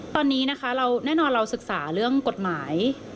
ตอนนี้นะคะเราแน่นอนเราศึกษาเรื่องกฎหมาย